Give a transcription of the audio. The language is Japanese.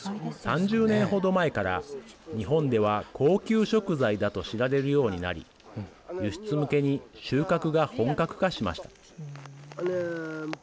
３０年程前から日本では高級食材だと知られるようになり輸出向けに収穫が本格化しました。